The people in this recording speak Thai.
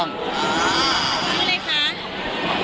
สวัสดีครับ